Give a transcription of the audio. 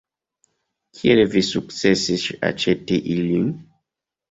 Kiel vi sukcesis aĉeti ilin?